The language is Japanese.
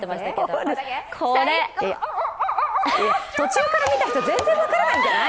途中から見た人、全然分からないんじゃない？